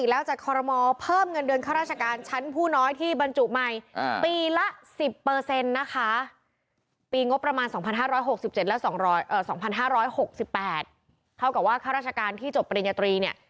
แล้วประมาณคือเสร็จลงสองพันห้าร้อยหกสิบแปดเขากะว่าข้าราชการที่จบปริญญาตรีเนี่ย